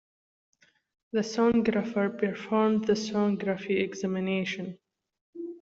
The Sonographer performed the Sonography examination.